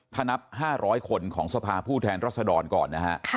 ถ้านับ๕๐๐คนของสภาผู้แทนรัศดรก่อนนะฮะ